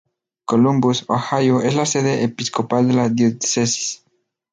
Columbus, Ohio es la sede episcopal de la diócesis.